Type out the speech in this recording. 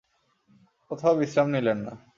কোথাও বিশ্রাম নিলেন না।